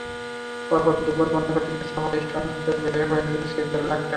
পরপর দুবার বন্যায় ক্ষতিগ্রস্ত হওয়ায় সংস্কারে ব্যয় হয়েছে দেড় লাখ টাকা।